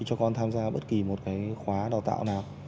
cho con tham gia bất kỳ một cái khóa đào tạo nào